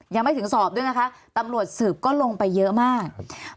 ยังไม่ถึงสอบด้วยนะคะตำรวจสืบก็ลงไปเยอะมาก